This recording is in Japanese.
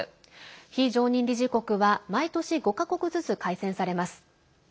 非常任理事国は毎年５か国ずつ改選されます。